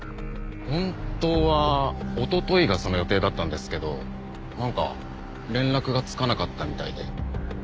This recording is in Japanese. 本当はおとといがその予定だったんですけどなんか連絡がつかなかったみたいで。